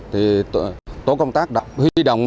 thì tổ công tác đã huy động